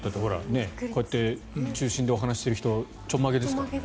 こうやって中心でお話ししている人ちょんまげですからね。